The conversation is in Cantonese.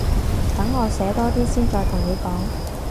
等我寫多啲先再同你講